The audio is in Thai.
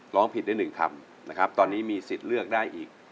ร้องผิดได้หนึ่งคำนะครับตอนนี้มีสิทธิ์เลือกได้อีก